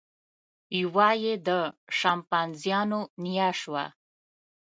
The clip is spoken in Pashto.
یوه یې د شامپانزیانو نیا شوه.